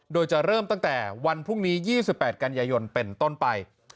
โดยจะเริ่มตั้งแต่วันพรุ่งนี้๒๘กันยายนเป็นต้นไป